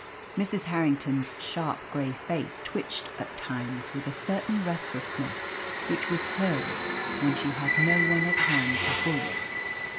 Mrs. Harrington's sharp grey face twitched at times with a certain restlessness which was hers when she had no one at hand to bully.